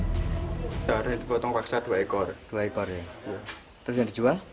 terus yang dijual